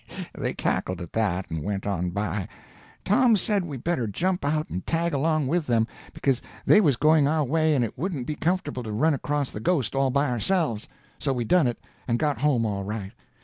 They cackled at that, and went on by. Tom said we better jump out and tag along after them, because they was going our way and it wouldn't be comfortable to run across the ghost all by ourselves. So we done it, and got home all right.